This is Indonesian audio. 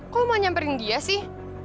kok mau nyamperin dia sih